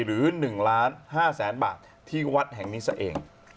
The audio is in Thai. หรือ๑ล้าน๕แสนบาทที่วัดแห่งนี้ซะเอง